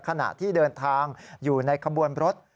ขณะที่เดินทางอยู่ในขบวนรถ